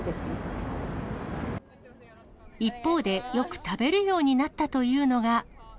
一方で、よく食べるようになったというのが。